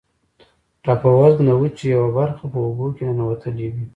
ټاپووزمه د وچې یوه برخه په اوبو کې ننوتلې وي.